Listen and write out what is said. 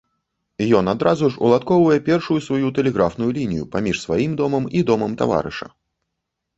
Ён адразу ж уладкоўвае першую сваю тэлеграфную лінію паміж сваім домам і домам таварыша.